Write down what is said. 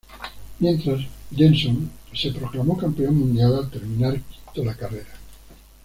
Mientras, Jenson se proclamó campeón mundial al terminar quinto la carrera.